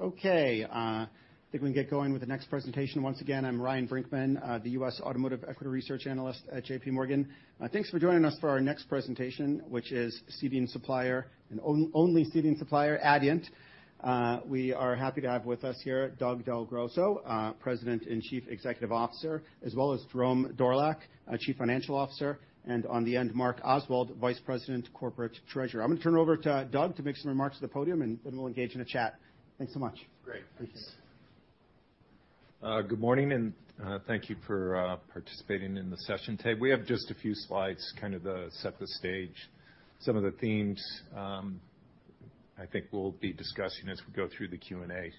Okay, I think we can get going with the next presentation. Once again, I'm Ryan Brinkman, the U.S. Automotive Equity Research Analyst at JPMorgan. Thanks for joining us for our next presentation, which is Seating Supplier and only seating supplier, Adient. We are happy to have with us here, Doug Del Grosso, President and Chief Executive Officer, as well as Jerome Dorlack, our Chief Financial Officer, and on the end, Mark Oswald, Vice President, Corporate Treasurer. I'm gonna turn it over to Doug, to make some remarks at the podium, and then we'll engage in a chat. Thanks so much. Great. Thanks. Good morning, thank you for participating in the session today. We have just a few slides, kind of to set the stage. Some of the themes, I think we'll be discussing as we go through the Q&A.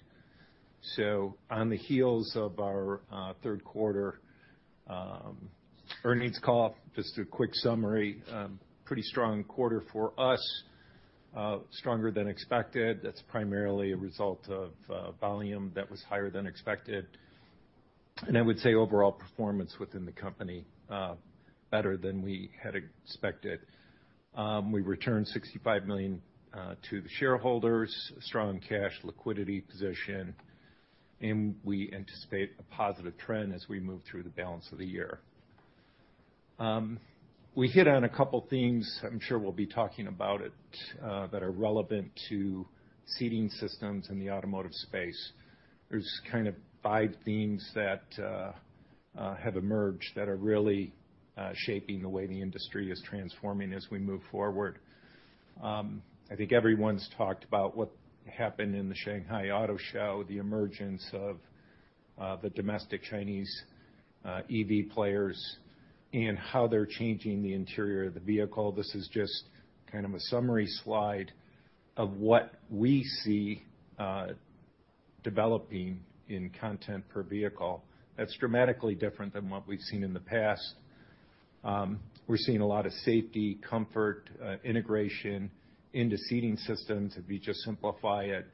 On the heels of our third quarter earnings call, just a quick summary. Pretty strong quarter for us, stronger than expected. That's primarily a result of volume that was higher than expected. I would say overall performance within the company, better than we had expected. We returned $65 million to the shareholders, strong cash liquidity position, and we anticipate a positive trend as we move through the balance of the year. We hit on a couple themes. I'm sure we'll be talking about it, that are relevant to seating systems in the automotive space. There's kind of five themes that have emerged that are really shaping the way the industry is transforming as we move forward. I think everyone's talked about what happened in the Shanghai Auto Show, the emergence of the domestic Chinese EV players and how they're changing the interior of the vehicle. This is just kind of a summary slide of what we see developing in content per vehicle, that's dramatically different than what we've seen in the past. We're seeing a lot of safety, comfort, integration into seating systems. If you just simplify it,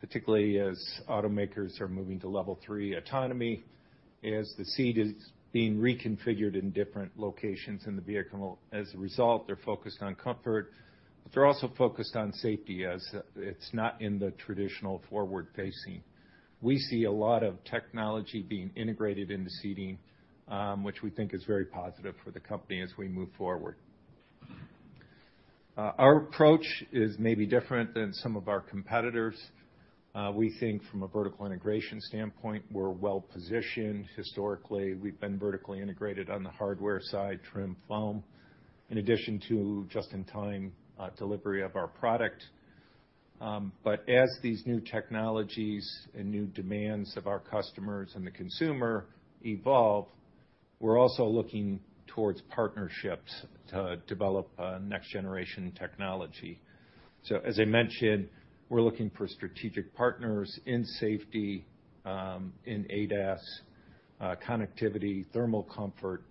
particularly as automakers are moving to Level 3 autonomy, as the seat is being reconfigured in different locations in the vehicle. As a result, they're focused on comfort, but they're also focused on safety, as it's not in the traditional forward-facing. We see a lot of technology being integrated into seating, which we think is very positive for the company as we move forward. Our approach is maybe different than some of our competitors. We think from a vertical integration standpoint, we're well-positioned. Historically, we've been vertically integrated on the hardware side, trim, foam, in addition to just-in-time delivery of our product. As these new technologies and new demands of our customers and the consumer evolve, we're also looking towards partnerships to develop next-generation technology. As I mentioned, we're looking for strategic partners in safety, in ADAS, connectivity, thermal comfort,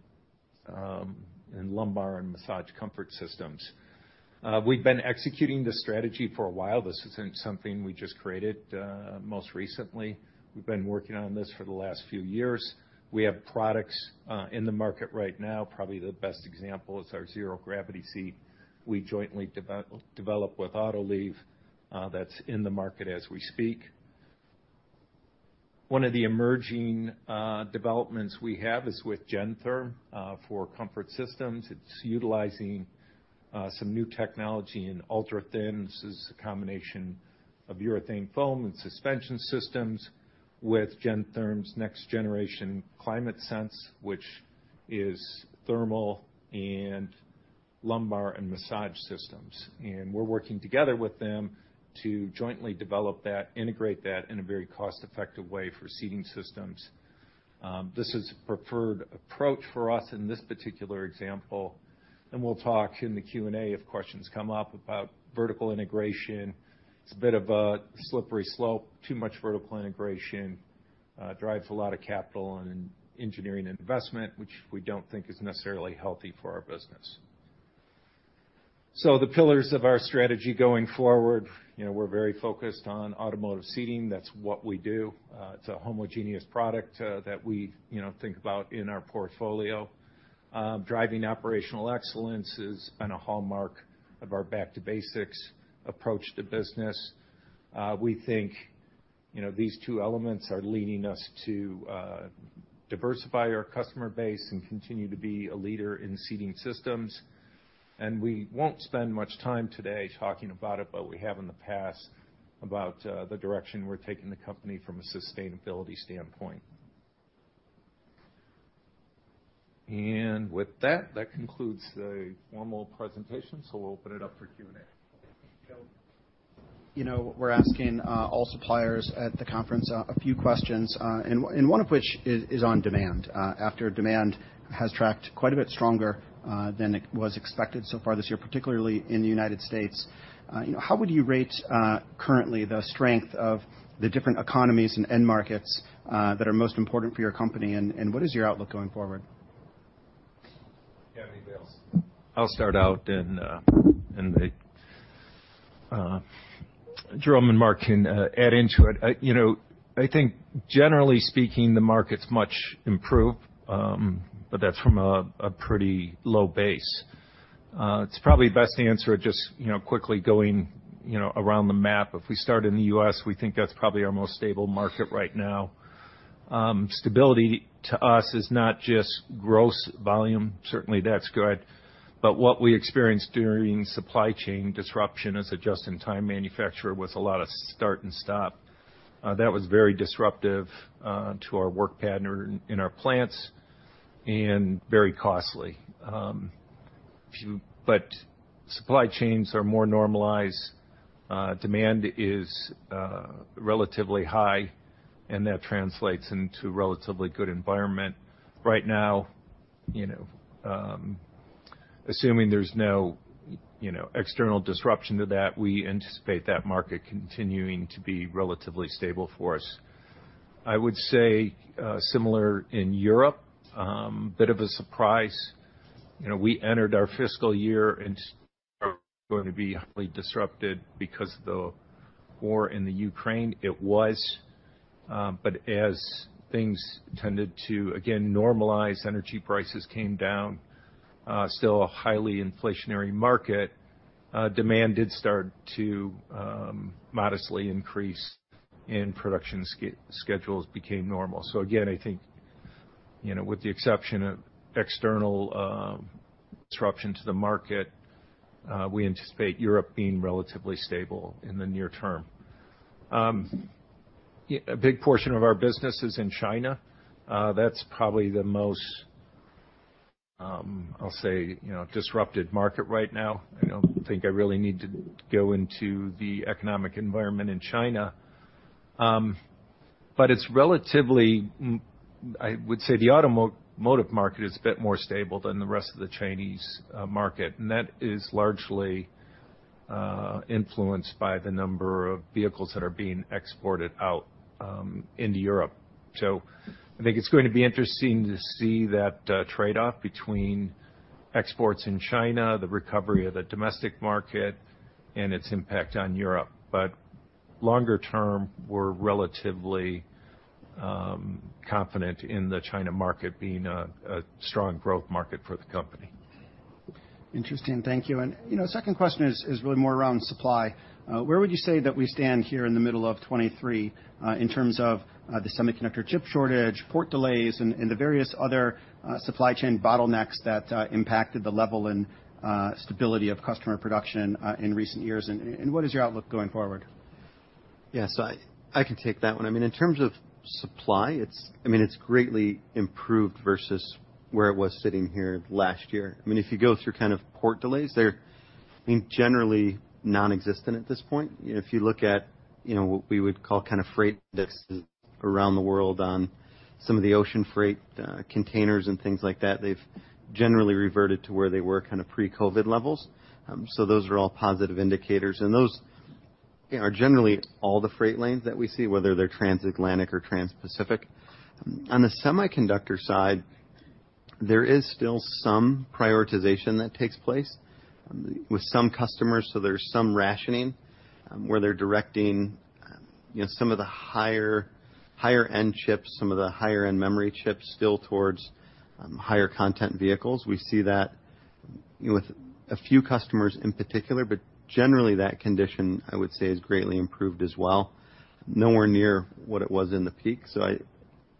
and lumbar and massage comfort systems. We've been executing this strategy for a while. This isn't something we just created most recently. We've been working on this for the last few years. We have products in the market right now. Probably the best example is our zero-gravity seat we jointly developed with Autoliv, that's in the market as we speak. One of the emerging developments we have is with Gentherm for comfort systems. It's utilizing some new technology in UltraThin. This is a combination of urethane foam and suspension systems with Gentherm's next-generation ClimateSense, which is thermal and lumbar and massage systems. We're working together with them to jointly develop that, integrate that in a very cost-effective way for seating systems. This is preferred approach for us in this particular example, and we'll talk in the Q&A if questions come up about vertical integration. It's a bit of a slippery slope. Too much vertical integration drives a lot of capital and engineering investment, which we don't think is necessarily healthy for our business. The pillars of our strategy going forward, you know, we're very focused on automotive seating. That's what we do. It's a homogeneous product that we, you know, think about in our portfolio. Driving operational excellence has been a hallmark of our back to basics approach to business. We think, you know, these two elements are leading us to diversify our customer base and continue to be a leader in seating systems. We won't spend much time today talking about it, but we have in the past about the direction we're taking the company from a sustainability standpoint. With that, that concludes the formal presentation, so we'll open it up for Q&A. You know, we're asking all suppliers at the conference a few questions, and, and one of which is, is on demand. After demand has tracked quite a bit stronger than it was expected so far this year, particularly in the United States. How would you rate currently the strength of the different economies and end markets that are most important for your company? What is your outlook going forward? Yeah. I'll start out, and Jerome and Mark can add into it. You know, I think generally speaking, the market's much improved, but that's from a pretty low base. It's probably best to answer it just, you know, quickly going, you know, around the map. If we start in the U.S., we think that's probably our most stable market right now. Stability to us is not just gross volume. Certainly, that's good, but what we experienced during supply chain disruption as a just-in-time manufacturer, with a lot of start and stop, that was very disruptive to our work pattern in our plants and very costly. Supply chains are more normalized. Demand is relatively high, and that translates into a relatively good environment. Right now, you know, assuming there's no, you know, external disruption to that, we anticipate that market continuing to be relatively stable for us. I would say, similar in Europe, bit of a surprise. You know, we entered our fiscal year and going to be highly disrupted because of the war in the Ukraine. It was, as things tended to, again, normalize, energy prices came down, still a highly inflationary market, demand did start to modestly increase, and production schedules became normal. Again, I think, you know, with the exception of external disruption to the market, we anticipate Europe being relatively stable in the near term. A big portion of our business is in China. That's probably the most, I'll say, you know, disrupted market right now. I don't think I really need to go into the economic environment in China. It's relatively, I would say the automotive market is a bit more stable than the rest of the Chinese market, and that is largely influenced by the number of vehicles that are being exported out into Europe. I think it's going to be interesting to see that trade-off between exports in China, the recovery of the domestic market, and its impact on Europe. Longer term, we're relatively confident in the China market being a strong growth market for the company. Interesting. Thank you. You know, second question is, is really more around supply. Where would you say that we stand here in the middle of 2023, in terms of the semiconductor chip shortage, port delays, and, and the various other supply chain bottlenecks that impacted the level and stability of customer production in recent years? What is your outlook going forward? Yes, I, I can take that one. I mean, in terms of supply, I mean, it's greatly improved versus where it was sitting here last year. I mean, if you go through kind of port delays, they're, I mean, generally nonexistent at this point. If you look at, you know, what we would call kind of freight that's around the world on some of the ocean freight, containers and things like that, they've generally reverted to where they were kind of pre-COVID levels. Those are all positive indicators, and those are generally all the freight lanes that we see, whether they're transatlantic or transpacific. On the semiconductor side, there is still some prioritization that takes place with some customers, so there's some rationing, where they're directing, you know, some of the higher, higher-end chips, some of the higher-end memory chips, still towards, higher content vehicles. We see that, you know, with a few customers in particular, but generally, that condition, I would say, is greatly improved as well. Nowhere near what it was in the peak, so you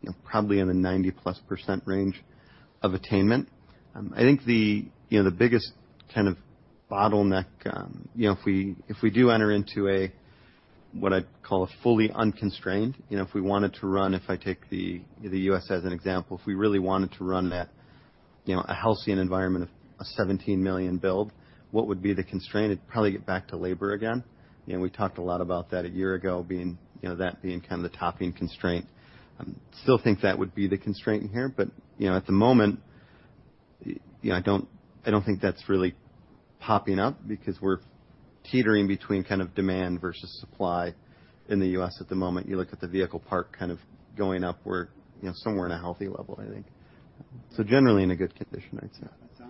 know, probably in the 90+% range of attainment. I think the, you know, the biggest kind of bottleneck, you know, if we, if we do enter into a, what I'd call a fully unconstrained, you know, if we wanted to run, if I take the, the U.S. as an example, if we really wanted to run at, you know, a healthy environment of a 17 million build, what would be the constraint? It'd probably get back to labor again. We talked a lot about that a year ago, being, you know, that being kind of the topping constraint. Still think that would be the constraint here, but, you know, at the moment, you know, I don't, I don't think that's really popping up because we're teetering between kind of demand versus supply in the U.S. at the moment. You look at the vehicle park kind of going up, we're, you know, somewhere in a healthy level, I think. Generally in a good condition, I'd say.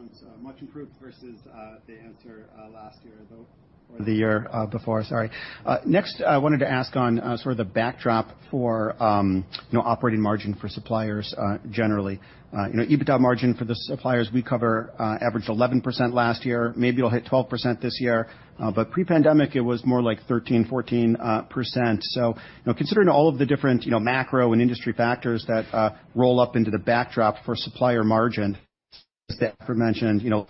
That sounds much improved versus the answer last year, though the year before. Sorry. Next, I wanted to ask on sort of the backdrop for, you know, operating margin for suppliers generally. You know, EBITDA margin for the suppliers we cover averaged 11% last year. Maybe it'll hit 12% this year, but pre-pandemic, it was more like 13%, 14%. You know, considering all of the different, you know, macro and industry factors that roll up into the backdrop for supplier margin, as mentioned, you know,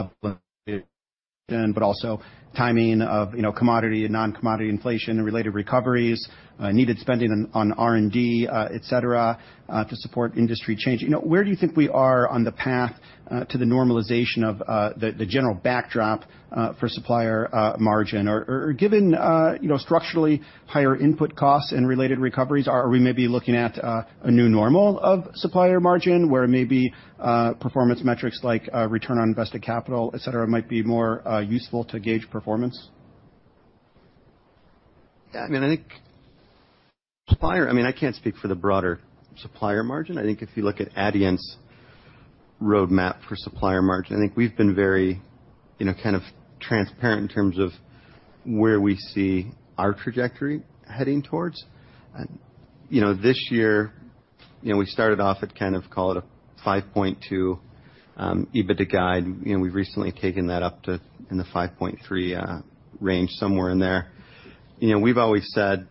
but also timing of, you know, commodity and non-commodity inflation and related recoveries, needed spending on R&D, et cetera, to support industry change. You know, where do you think we are on the path to the normalization of the, the general backdrop for supplier margin? Or given, you know, structurally higher input costs and related recoveries, are we maybe looking at a new normal of supplier margin, where maybe performance metrics like return on invested capital, et cetera, might be more useful to gauge performance? Yeah, I mean, I think supplier... I mean, I can't speak for the broader supplier margin. I think if you look at Adient's roadmap for supplier margin, I think we've been very, you know, kind of transparent in terms of where we see our trajectory heading towards. You know, this year-... You know, we started off at kind of, call it a 5.2 EBITDA guide. You know, we've recently taken that up to in the 5.3 range, somewhere in there. You know, we've always said,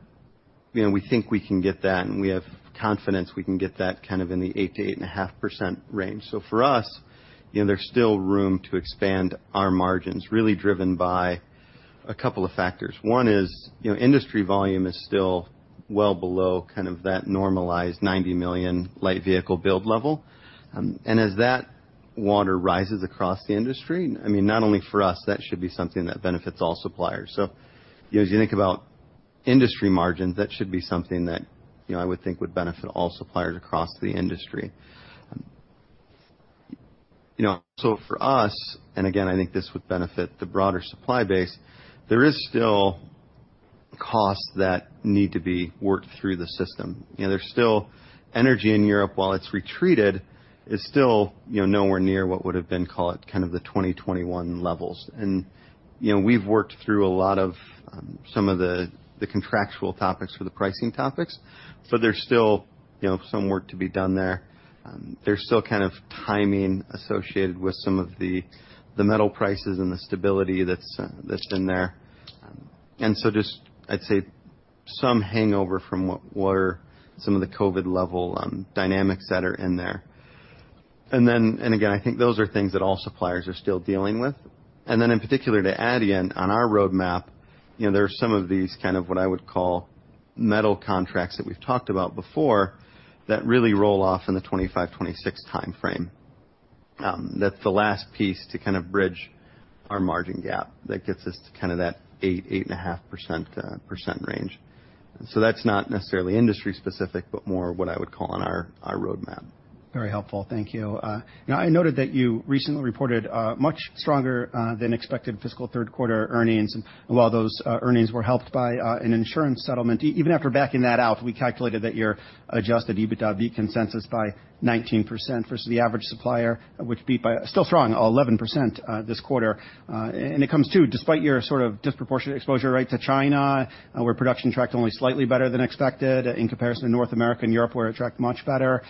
you know, we think we can get that, and we have confidence we can get that kind of in the 8%-8.5% range. For us, you know, there's still room to expand our margins, really driven by a couple of factors. One is, you know, industry volume is still well below kind of that normalized 90 million light vehicle build level. As that water rises across the industry, I mean, not only for us, that should be something that benefits all suppliers. You know, as you think about industry margins, that should be something that, you know, I would think would benefit all suppliers across the industry. For us, and again, I think this would benefit the broader supply base, there is still costs that need to be worked through the system. There's still energy in Europe, while it's retreated, is still, you know, nowhere near what would have been, call it, kind of, the 2021 levels. You know, we've worked through a lot of, some of the, the contractual topics for the pricing topics, but there's still, you know, some work to be done there. There's still kind of timing associated with some of the, the metal prices and the stability that's in there. Just I'd say some hangover from what were some of the COVID level dynamics that are in there. Again, I think those are things that all suppliers are still dealing with. In particular, to Adient, on our roadmap, you know, there are some of these kind of what I would call metal contracts that we've talked about before, that really roll off in the 2025, 2026 time frame. That's the last piece to kind of bridge our margin gap that gets us to kind of that 8%-8.5% range. That's not necessarily industry specific, but more what I would call on our, our roadmap. Very helpful. Thank you. Now, I noted that you recently reported much stronger than expected fiscal third quarter earnings, and while those earnings were helped by an insurance settlement, even after backing that out, we calculated that your Adjusted EBITDA beat consensus by 19% versus the average supplier, which beat by still strong 11% this quarter. It comes too, despite your sort of disproportionate exposure, right, to China, where production tracked only slightly better than expected in comparison to North America and Europe, where it tracked much better.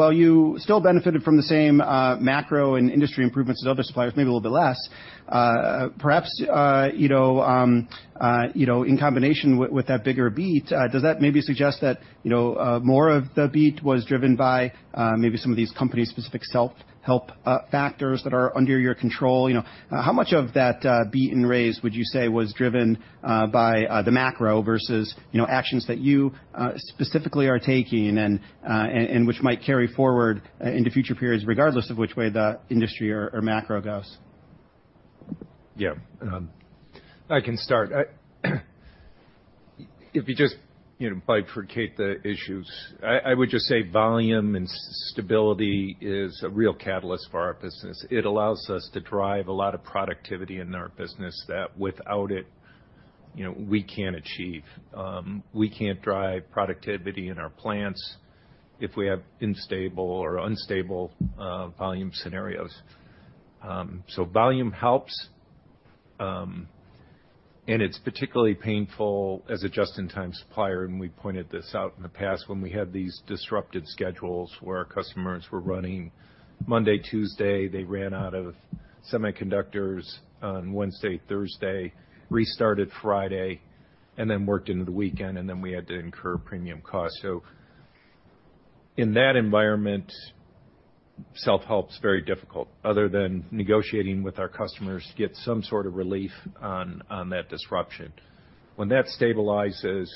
While you still benefited from the same macro and industry improvements as other suppliers, maybe a little bit less, perhaps, you know, you know, in combination with that bigger beat, does that maybe suggest that, you know, more of the beat was driven by maybe some of these company-specific self-help factors that are under your control? You know, how much of that beat and raise would you say was driven by the macro versus, you know, actions that you specifically are taking and which might carry forward into future periods, regardless of which way the industry or macro goes? Yeah. I can start. If you just, you know, bifurcate the issues, I, I would just say volume and stability is a real catalyst for our business. It allows us to drive a lot of productivity in our business that without it, you know, we can't achieve. We can't drive productivity in our plants if we have instable or unstable volume scenarios. So volume helps, and it's particularly painful as a just-in-time supplier, and we pointed this out in the past when we had these disrupted schedules where our customers were running Monday, Tuesday, they ran out of semiconductors on Wednesday, Thursday, restarted Friday and then worked into the weekend, and then we had to incur premium costs. So in that environment, self-help is very difficult other than negotiating with our customers to get some sort of relief on, on that disruption. When that stabilizes,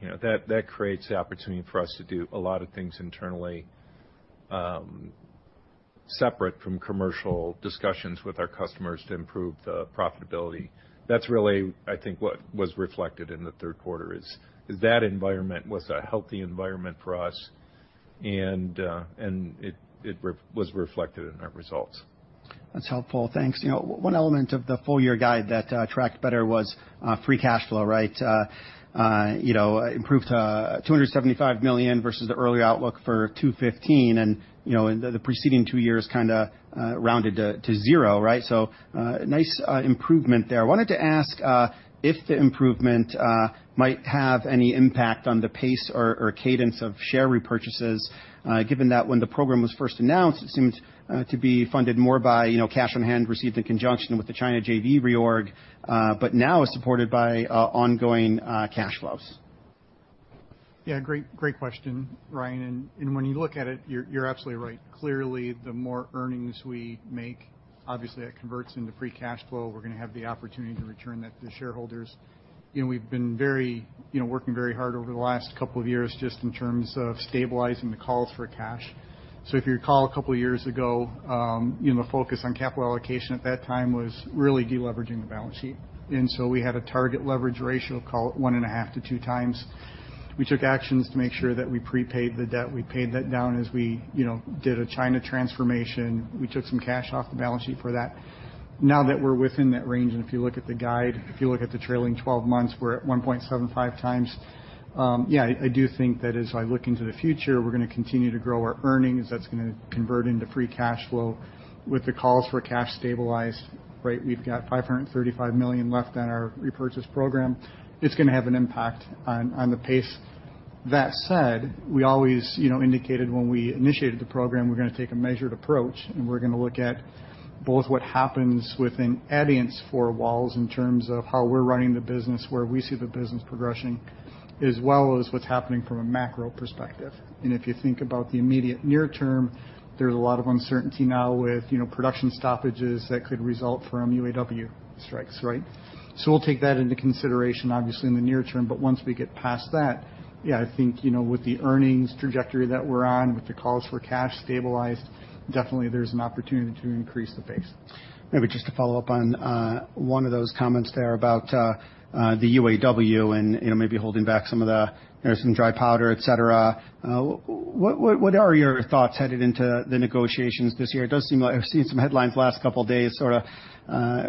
you know, that, that creates the opportunity for us to do a lot of things internally, separate from commercial discussions with our customers to improve the profitability. That's really, I think, what was reflected in the third quarter, is, is that environment was a healthy environment for us, and it was reflected in our results. That's helpful. Thanks. You know, one element of the full year guide that tracked better was free cash flow, right? You know, improved to $275 million versus the earlier outlook for $215 million, and, you know, the preceding two years kind of rounded to 0, right? Nice improvement there. I wanted to ask if the improvement might have any impact on the pace or cadence of share repurchases, given that when the program was first announced, it seemed to be funded more by, you know, cash on hand received in conjunction with the China JV reorganization, but now is supported by ongoing cash flows. Yeah, great, great question, Ryan, and when you look at it, you're absolutely right. Clearly, the more earnings we make, obviously that converts into free cash flow. We're gonna have the opportunity to return that to shareholders. You know, we've been very, you know, working very hard over the last two years just in terms of stabilizing the calls for cash. If you recall, two years ago, you know, the focus on capital allocation at that time was really deleveraging the balance sheet. We had a target leverage ratio, call it 1.5 to 2x. We took actions to make sure that we prepaid the debt. We paid that down as we, you know, did a China transformation. We took some cash off the balance sheet for that. Now that we're within that range, and if you look at the guide, if you look at the trailing 12 months, we're at 1.75x. Yeah, I, I do think that as I look into the future, we're gonna continue to grow our earnings. That's gonna convert into free cash flow. With the calls for cash stabilized, right, we've got $535 million left on our repurchase program. It's gonna have an impact on, on the pace. That said, we always, you know, indicated when we initiated the program, we're gonna take a measured approach, and we're gonna look at both what happens within Adient's four walls in terms of how we're running the business, where we see the business progressing, as well as what's happening from a macro perspective. If you think about the immediate near term, there's a lot of uncertainty now with, you know, production stoppages that could result from UAW strikes, right? We'll take that into consideration, obviously, in the near term, but once we get past that, yeah, I think, you know, with the earnings trajectory that we're on, with the calls for cash stabilized, definitely there's an opportunity to increase the pace. Maybe just to follow up on one of those comments there about the UAW and, you know, maybe holding back some of the, you know, some dry powder, et cetera. What, what, what are your thoughts headed into the negotiations this year? It does seem like I've seen some headlines the last couple of days, sorta,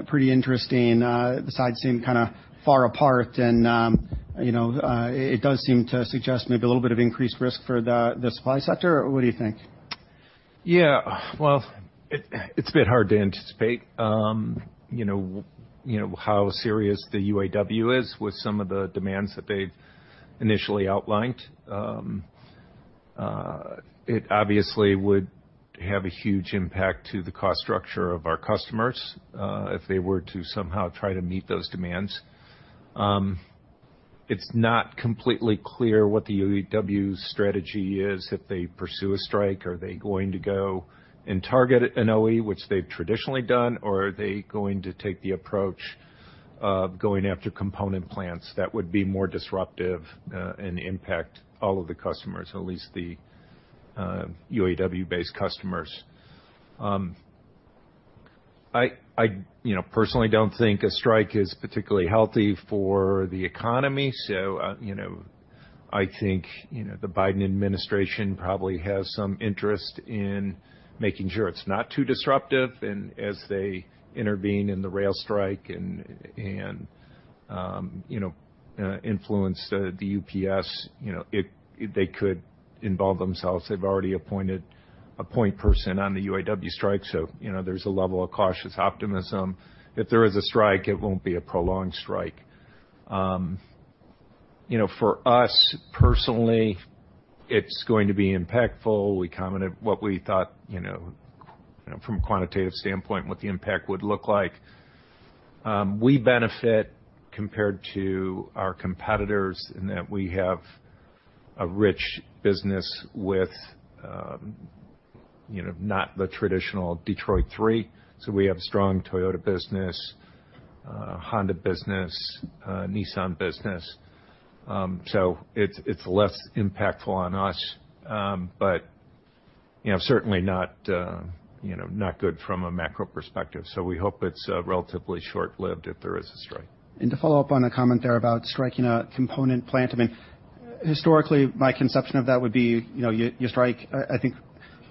pretty interesting, the sides seem kinda far apart and, you know, it does seem to suggest maybe a little bit of increased risk for the, the supply sector, or what do you think? Yeah. Well, it's a bit hard to anticipate, you know, you know, how serious the UAW is with some of the demands that they've initially outlined. It obviously would have a huge impact to the cost structure of our customers, if they were to somehow try to meet those demands. It's not completely clear what the UAW's strategy is. If they pursue a strike, are they going to go and target an OE, which they've traditionally done, or are they going to take the approach of going after component plants that would be more disruptive, and impact all of the customers, at least the UAW-based customers? I, I, you know, personally don't think a strike is particularly healthy for the economy, so, you know, I think, you know, the Biden administration probably has some interest in making sure it's not too disruptive, and as they intervene in the rail strike and, and, you know, influence the, the UPS, you know, they could involve themselves. They've already appointed a point person on the UAW strike. You know, there's a level of cautious optimism. If there is a strike, it won't be a prolonged strike. You know, for us, personally, it's going to be impactful. We commented what we thought, you know, from a quantitative standpoint, what the impact would look like. We benefit compared to our competitors in that we have a rich business with, you know, not the traditional Detroit Three. We have strong Toyota business, Honda business, Nissan business. It's, it's less impactful on us, but, you know, certainly not, you know, not good from a macro perspective, so we hope it's relatively short-lived if there is a strike. To follow up on a comment there about striking a component plant, I mean, historically, my conception of that would be, you know, you strike... I think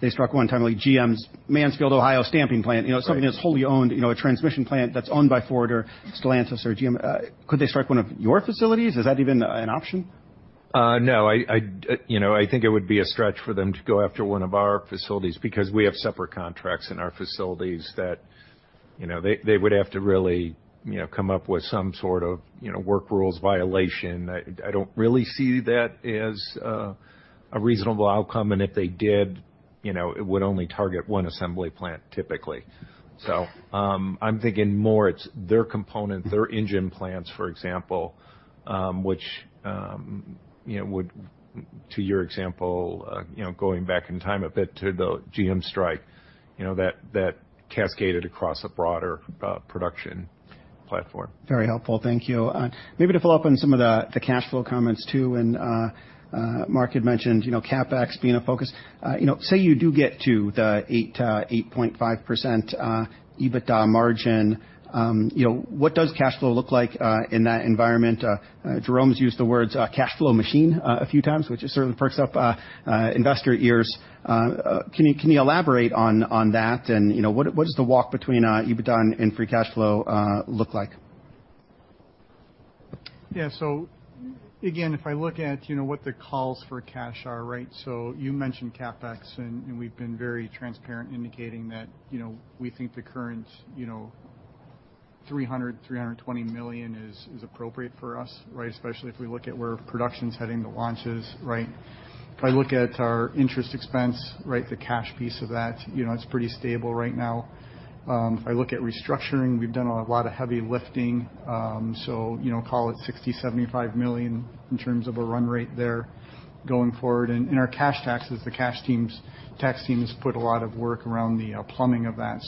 they struck 1 time, like, GM's Mansfield, Ohio, stamping plant. You know, something that's wholly owned, you know, a transmission plant that's owned by Ford or Stellantis or GM. Could they strike one of your facilities? Is that even an option? No, I, I, you know, I think it would be a stretch for them to go after one of our facilities because we have separate contracts in our facilities that, you know, they, they would have to really, you know, come up with some sort of, you know, work rules violation. I, I don't really see that as a reasonable outcome, and if they did, you know, it would only target one assembly plant, typically. I'm thinking more it's their component, their engine plants, for example, which, you know, would, to your example, you know, going back in time a bit to the GM strike, you know, that, that cascaded across a broader production platform. Very helpful. Thank you. Maybe to follow up on some of the, the cash flow comments, too, and Mark had mentioned, you know, CapEx being a focus. You know, say you do get to the 8.5% EBITDA margin, you know, what does cash flow look like in that environment? Jerome's used the words cash flow machine a few times, which certainly perks up investor ears. Can you, can you elaborate on, on that, and, you know, what is, what is the walk between EBITDA and free cash flow look like? Yeah. Again, if I look at, you know, what the calls for cash are, right? You mentioned CapEx, we've been very transparent, indicating that, you know, we think the current, you know, $300 million-$320 million is, is appropriate for us, right? Especially if we look at where production's heading, the launches, right? If I look at our interest expense, right, the cash piece of that, you know, it's pretty stable right now. If I look at restructuring, we've done a lot of heavy lifting, so, you know, call it $60 million-$75 million in terms of a run rate there going forward. Our cash taxes, the cash teams, tax teams put a lot of work around the plumbing of that.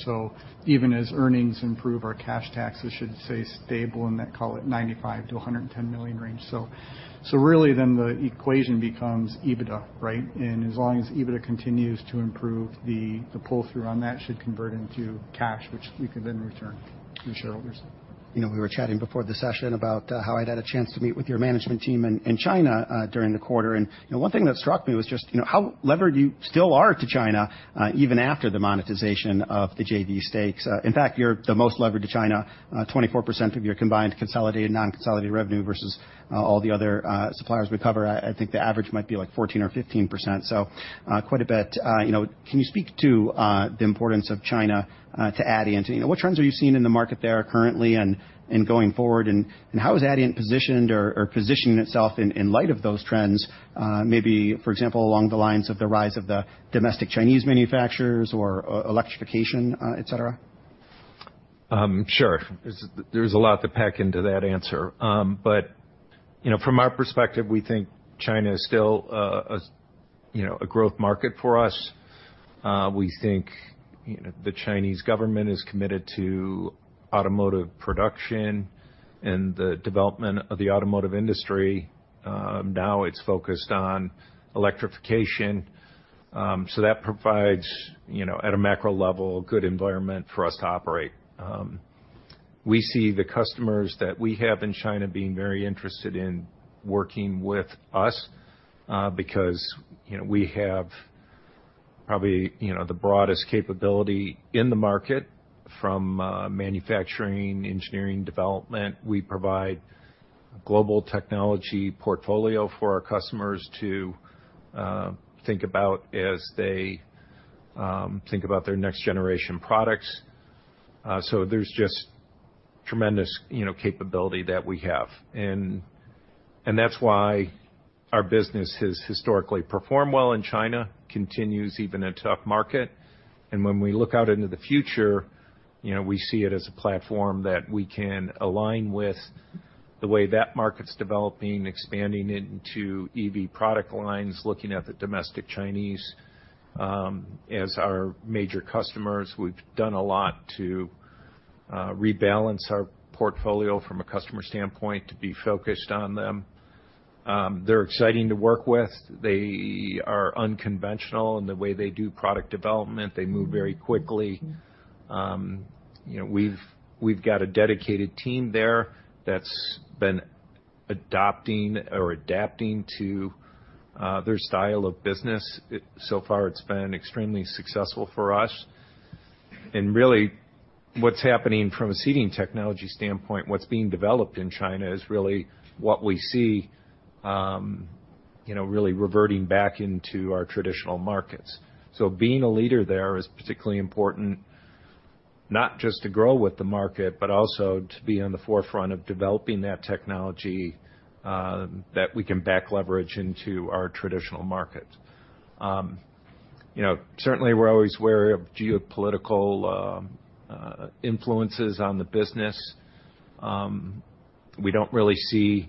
Even as earnings improve, our cash taxes should stay stable, and I'd call it $95 million-$110 million range. Really then the equation becomes EBITDA, right? As long as EBITDA continues to improve, the pull-through on that should convert into cash, which we can then return to shareholders. You know, we were chatting before the session about how I'd had a chance to meet with your management team in, in China during the quarter, and, you know, one thing that struck me was just, you know, how levered you still are to China even after the monetization of the JV stakes. In fact, you're the most levered to China, 24% of your combined consolidated, non-consolidated revenue versus all the other suppliers we cover. I, I think the average might be, like, 14% or 15%, so quite a bit. You know, can you speak to the importance of China to Adient? And, you know, what trends are you seeing in the market there currently and, and going forward, and, and how is Adient positioned or, or positioning itself in, in light of those trends? Maybe, for example, along the lines of the rise of the domestic Chinese manufacturers or e- electrification, et cetera. Sure. There's, there's a lot to pack into that answer. You know, from our perspective, we think China is still, a, you know, a growth market for us. We think, you know, the Chinese government is committed to automotive production and the development of the automotive industry. Now it's focused on electrification, that provides, you know, at a macro level, a good environment for us to operate. We see the customers that we have in China being very interested in working with us, because, you know, we have probably, you know, the broadest capability in the market from, manufacturing, engineering, development. We provide global technology portfolio for our customers to, think about as they, think about their next generation products. There's just tremendous, you know, capability that we have, and, and that's why our business has historically performed well in China, continues even in a tough market. When we look out into the future, you know, we see it as a platform that we can align with the way that market's developing, expanding into EV product lines, looking at the domestic Chinese as our major customers. We've done a lot to rebalance our portfolio from a customer standpoint to be focused on them. They're exciting to work with. They are unconventional in the way they do product development. They move very quickly. You know, we've, we've got a dedicated team there that's been adopting or adapting to their style of business. So far, it's been extremely successful for us. Really, what's happening from a seating technology standpoint, what's being developed in China is really what we see, you know, really reverting back into our traditional markets. Being a leader there is particularly important, not just to grow with the market, but also to be on the forefront of developing that technology that we can back leverage into our traditional markets. You know, certainly, we're always wary of geopolitical influences on the business. We don't really see,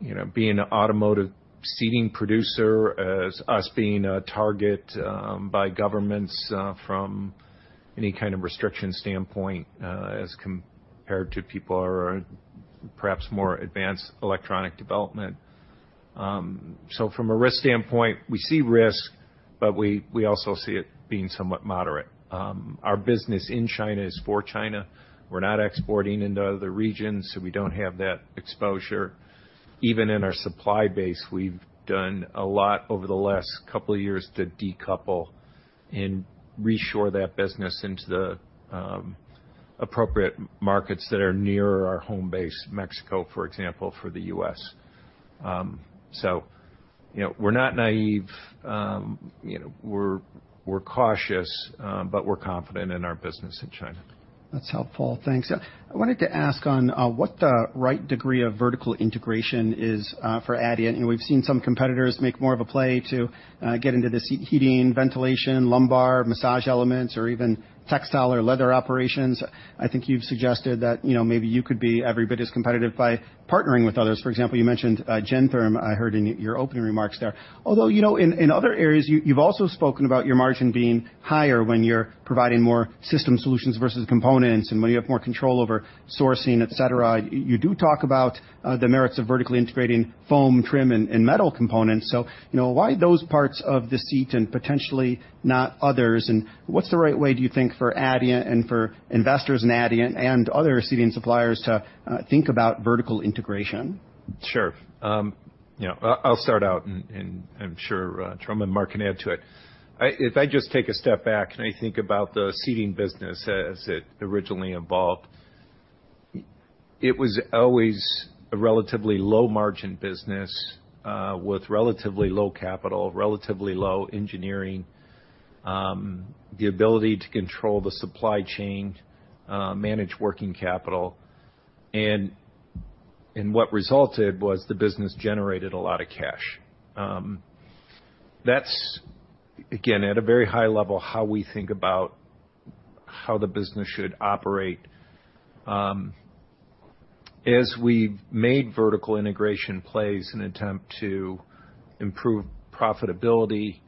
you know, being an automotive seating producer as us being a target by governments from any kind of restriction standpoint, as compared to people or perhaps more advanced electronic development. From a risk standpoint, we see risk, but we, we also see it being somewhat moderate. Our business in China is for China. We're not exporting into other regions, so we don't have that exposure. Even in our supply base, we've done a lot over the last couple of years to decouple and reshore that business into the appropriate markets that are nearer our home base, Mexico, for example, for the U.S. You know, we're not naive. You know, we're, we're cautious, but we're confident in our business in China. That's helpful. Thanks. I wanted to ask on what the right degree of vertical integration is for Adient. We've seen some competitors make more of a play to get into the seat heating, ventilation, lumbar, massage elements, or even textile or leather operations. I think you've suggested that, you know, maybe you could be every bit as competitive by partnering with others. For example, you mentioned Gentherm, I heard in your opening remarks there. Although, you know, in other areas, you've also spoken about your margin being higher when you're providing more system solutions versus components, and when you have more control over sourcing, et cetera. You do talk about the merits of vertically integrating foam, trim, and metal components. You know, why those parts of the seat and potentially not others? What's the right way, do you think, for Adient, and for investors in Adient, and other seating suppliers to think about vertical integration? Sure. You know, I'll start out, and I'm sure Jerome and Mark can add to it. If I just take a step back, and I think about the seating business as it originally involved, it was always a relatively low-margin business, with relatively low capital, relatively low engineering, the ability to control the supply chain, manage working capital, and what resulted was the business generated a lot of cash. That's, again, at a very high level, how we think about how the business should operate. As we've made vertical integration plays in attempt to improve profitability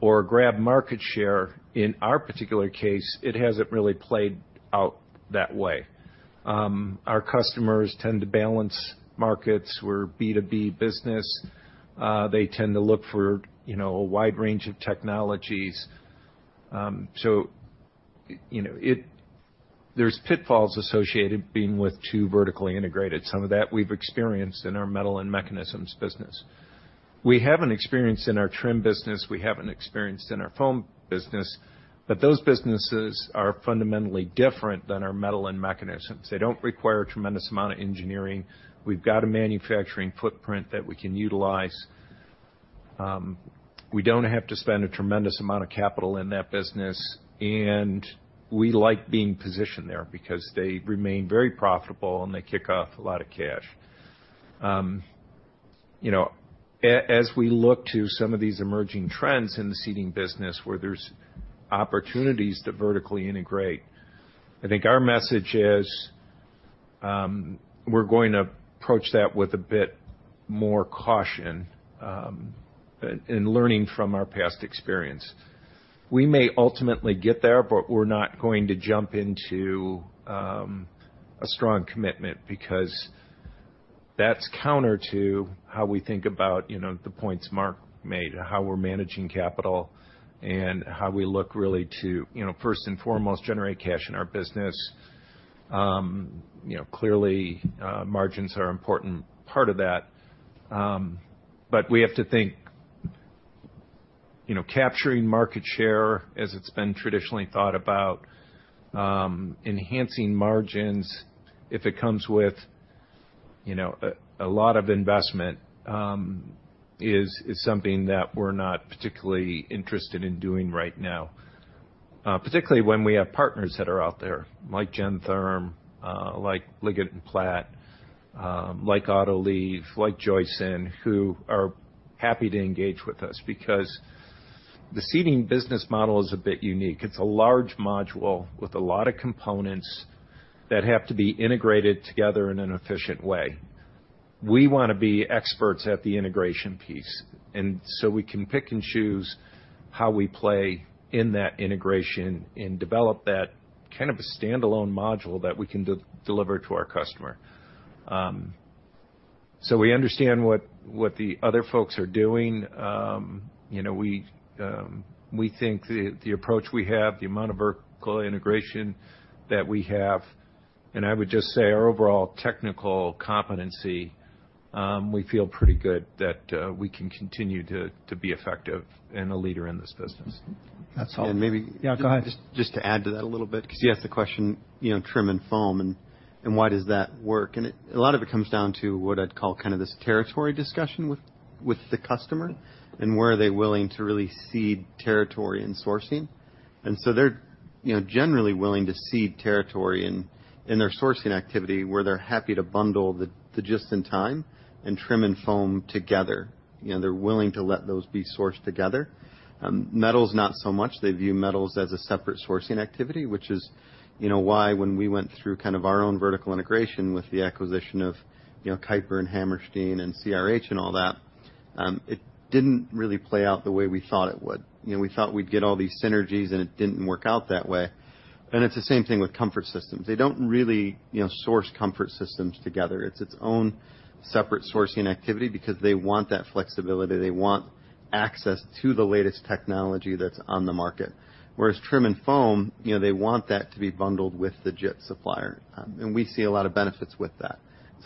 or grab market share, in our particular case, it hasn't really played out that way. Our customers tend to balance markets. We're B2B business. They tend to look for, you know, a wide range of technologies. You know, there's pitfalls associated being with too vertically integrated. Some of that we've experienced in our Metals & Mechanisms business. We haven't experienced in our trim business, we haven't experienced in our foam business, but those businesses are fundamentally different than our Metals & Mechanisms. They don't require a tremendous amount of engineering. We've got a manufacturing footprint that we can utilize. We don't have to spend a tremendous amount of capital in that business, and we like being positioned there because they remain very profitable, and they kick off a lot of cash. You know, as we look to some of these emerging trends in the seating business, where there's opportunities to vertically integrate, I think our message is, we're going to approach that with a bit more caution, in learning from our past experience. We may ultimately get there, but we're not going to jump into a strong commitment, because that's counter to how we think about, you know, the points Mark made, how we're managing capital, and how we look really to, you know, first and foremost, generate cash in our business. You know, clearly, margins are important part of that. We have to think, you know, capturing market share as it's been traditionally thought about, enhancing margins, if it comes with a lot of investment, is something that we're not particularly interested in doing right now. Particularly when we have partners that are out there, like Gentherm, like Leggett & Platt, like Autoliv, like Joyson, who are happy to engage with us because the seating business model is a bit unique. It's a large module with a lot of components that have to be integrated together in an efficient way. We want to be experts at the integration piece. We can pick and choose how we play in that integration and develop that kind of a standalone module that we can de-deliver to our customer. We understand what, what the other folks are doing. You know, we, we think the, the approach we have, the amount of vertical integration that we have, and I would just say, our overall technical competency, we feel pretty good that, we can continue to, to be effective and a leader in this business. That's all. And maybe- Yeah, go ahead. Just, just to add to that a little bit, because you asked the question, you know, trim and foam, and, and why does that work? A lot of it comes down to what I'd call kind of this territory discussion with, with the customer, and where are they willing to really cede territory and sourcing. They're, you know, generally willing to cede territory in, in their sourcing activity, where they're happy to bundle the, the just in time and trim and foam together. You know, they're willing to let those be sourced together. Metals, not so much. They view metals as a separate sourcing activity, which is, you know, why when we went through kind of our own vertical integration with the acquisition of, you know, Keiper and Hammerstein and CRH and all that, it didn't really play out the way we thought it would. You know, we thought we'd get all these synergies, and it didn't work out that way. It's the same thing with comfort systems. They don't really, you know, source comfort systems together. It's its own separate sourcing activity because they want that flexibility. They want access to the latest technology that's on the market. Whereas trim and foam, you know, they want that to be bundled with the JIT supplier. And we see a lot of benefits with that.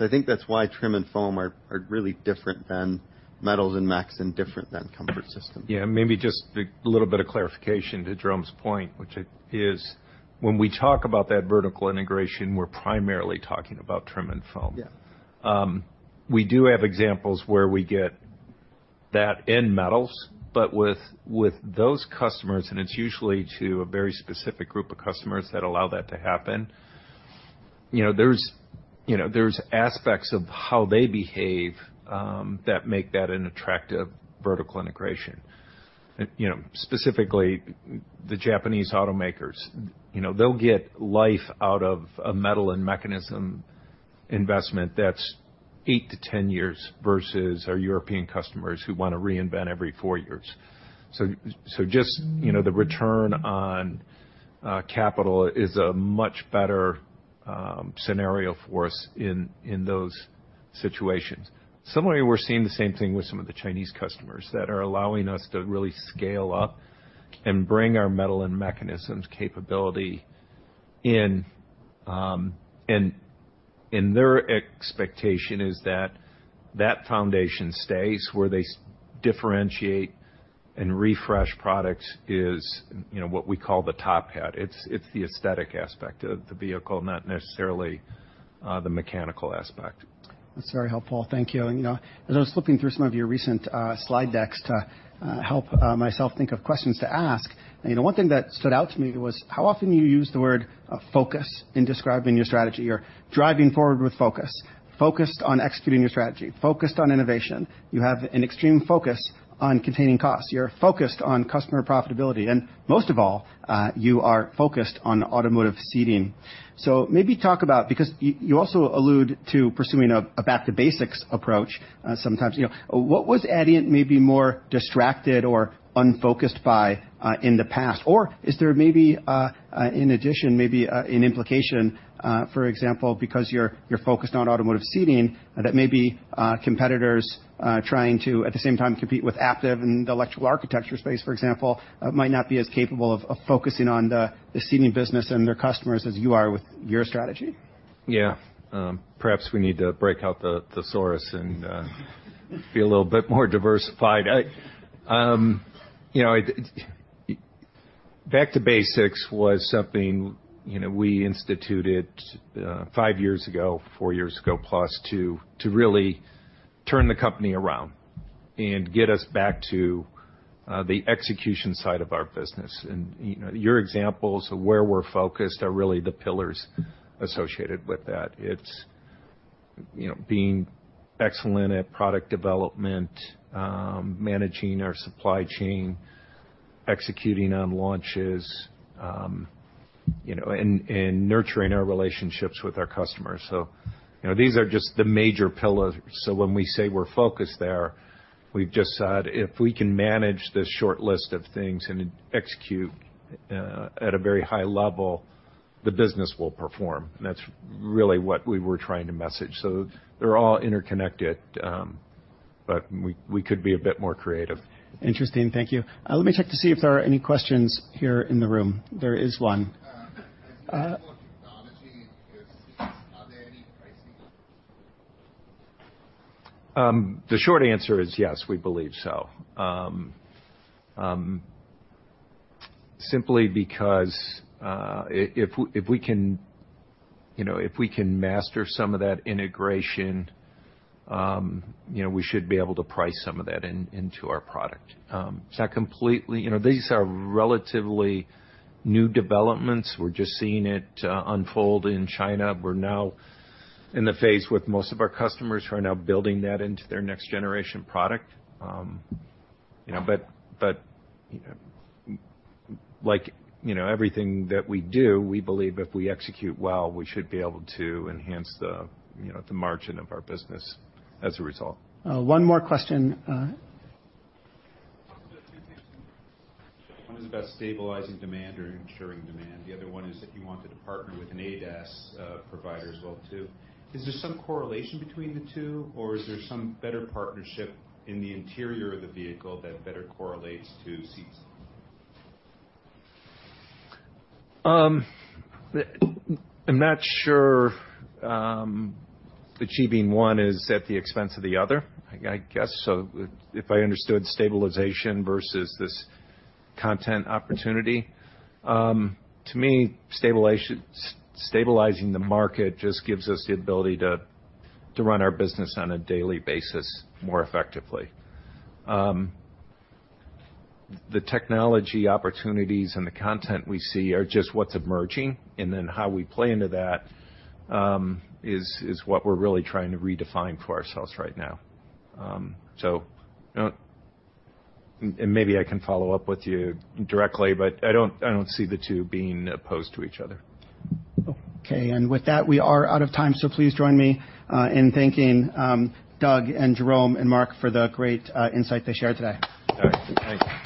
I think that's why trim and foam are, are really different than Metals and Mechanisms, and different than comfort systems. Yeah, maybe just a little bit of clarification to Jerome's point, which it is, when we talk about that vertical integration, we're primarily talking about trim and foam. Yeah. We do have examples where we get that in metals, but with, with those customers, and it's usually to a very specific group of customers that allow that to happen, you know, there's, you know, there's aspects of how they behave that make that an attractive vertical integration. You know, specifically, the Japanese automakers. You know, they'll get life out of a metal and mechanism investment that's 8 to 10 years versus our European customers, who wanna reinvent every four years. Just, you know, the return on capital is a much better scenario for us in, in those situations. Similarly, we're seeing the same thing with some of the Chinese customers that are allowing us to really scale up and bring our Metals & Mechanisms capability in, and their expectation is that, that foundation stays where they differentiate and refresh products is, you know, what we call the top hat. It's, it's the aesthetic aspect of the vehicle, not necessarily, the mechanical aspect. That's very helpful. Thank you. You know, as I was flipping through some of your recent slide decks to help myself think of questions to ask, you know, one thing that stood out to me was how often you use the word focus in describing your strategy. You're driving forward with focus, focused on executing your strategy, focused on innovation. You have an extreme focus on containing costs. You're focused on customer profitability, and most of all, you are focused on automotive seating. Maybe talk about. Because you also allude to pursuing a, a back-to-basics approach sometimes, you know. What was Adient maybe more distracted or unfocused by in the past? Is there maybe, in addition, maybe, an implication, for example, because you're, you're focused on automotive seating, that maybe, competitors, trying to, at the same time, compete with Aptiv and the electrical architecture space, for example, might not be as capable of, of focusing on the, the seating business and their customers as you are with your strategy? Yeah. Perhaps we need to break out the, the source and be a little bit more diversified. I, you know, Back to basics was something, you know, we instituted 5 years ago, 4 years ago, plus, to really turn the company around. Get us back to the execution side of our business. You know, your examples of where we're focused are really the pillars associated with that. It's, you know, being excellent at product development, managing our supply chain, executing on launches, you know, and nurturing our relationships with our customers. You know, these are just the major pillars. When we say we're focused there, we've just said, "If we can manage this short list of things and execute, at a very high level, the business will perform." That's really what we were trying to message. They're all interconnected, but we, we could be a bit more creative. Interesting. Thank you. Let me check to see if there are any questions here in the room. There is one. As you add more technology in your seats, are there any pricing? The short answer is yes, we believe so. simply because, i-if we, if we can, you know, if we can master some of that integration, you know, we should be able to price some of that in-into our product. It's not completely-- you know, these are relatively new developments. We're just seeing it unfold in China. We're now in the phase with most of our customers who are now building that into their next generation product. you know, but, but, you know, like, you know, everything that we do, we believe if we execute well, we should be able to enhance the, you know, the margin of our business as a result. One more question. Two questions. One is about stabilizing demand or ensuring demand. The other one is, if you wanted to partner with an ADAS provider as well, too. Is there some correlation between the two, or is there some better partnership in the interior of the vehicle that better correlates to seats? I'm not sure achieving one is at the expense of the other. I, I guess so. If I understood stabilization versus this content opportunity, to me, stabilation- stabilizing the market just gives us the ability to, to run our business on a daily basis more effectively. The technology opportunities and the content we see are just what's emerging, and then how we play into that, is, is what we're really trying to redefine for ourselves right now. You know... maybe I can follow up with you directly, but I don't, I don't see the two being opposed to each other. Okay. With that, we are out of time, so please join me in thanking Doug and Jerome and Mark for the great insight they shared today. All right. Thank you.